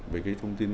về cái thông tin